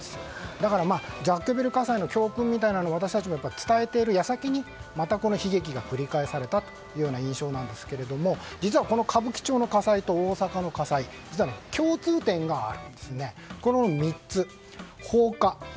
だから、雑居ビル火災の教訓みたいなのを私たちも伝えている矢先にまた、この悲劇が繰り返されたという印象ですが実は、この歌舞伎町の火災と大阪の火災実は共通点があるんです。